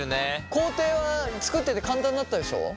工程は作ってて簡単だったでしょ？